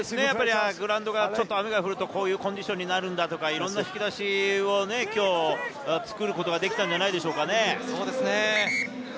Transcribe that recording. グラウンドが、雨が降るとこういうコンディションになるんだとかいう、いろんな引き出しを今日作ることができたんじゃないでしょうかね。